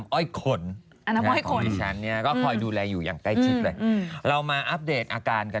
ดีค่ะวันนี้เป็นอย่างไรบ้าง